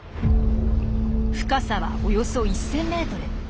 深さはおよそ１，０００ｍ。